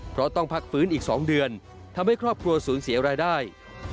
เพราะต้องพักฟื้นอีก๒เดือนทำให้ครอบครัวสูญเสียรายได้